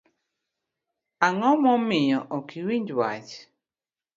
Ango miyo ok iwinj wach?